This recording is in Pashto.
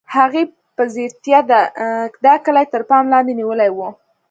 هغې په ځیرتیا دا کلی تر پام لاندې نیولی و